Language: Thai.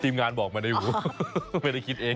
งานบอกมาในหูไม่ได้คิดเอง